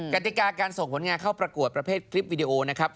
กติกาการส่งผลงานเข้าประกวดประเภทคลิปวิดีโอนะครับ